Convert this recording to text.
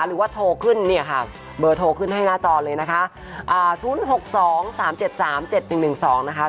หรือว่าโทรขึ้นเบอร์โทรขึ้นให้หน้าจอเลยนะคะ